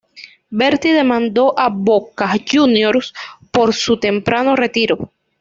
Berti demandó a Boca Juniors por su temprano retiro.